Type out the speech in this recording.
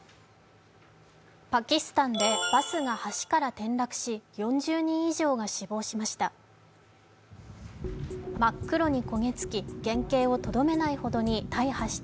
パキスタンでバスが橋から転落し４０人以上が死亡しました。